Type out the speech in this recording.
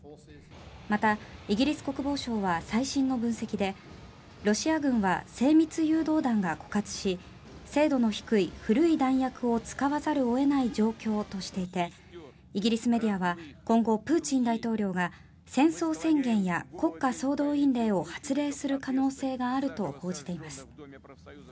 また、イギリス国防省は最新の分析でロシア軍は精密誘導弾が枯渇し精度の低い古い弾薬を使わざるを得ない状況としていてイギリスメディアは今後プーチン大統領が戦争宣言や国家総動員令を発令する可能性があると報じています。